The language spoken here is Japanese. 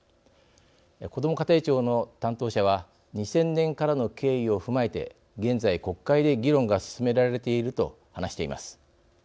こども家庭庁の担当者は２０００年からの経緯を踏まえて現在国会で議論が進められていると話しています。